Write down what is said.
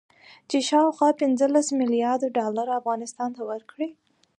چې شاوخوا پنځلس مليارده ډالر افغانستان ته ورکړي